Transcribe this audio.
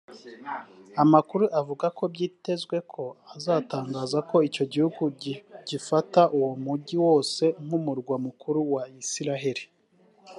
Amakuru avuga ako byitezwe ko azatangaza ko igihugu cye gifata uwo mujyi wose nk’Umurwa Mukuru wa Israel